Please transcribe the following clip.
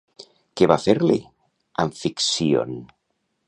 Què va fer-li Amficcíon?